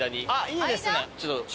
いいですね。